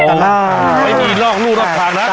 ไม่มีร่องลูกรอบคราวนะ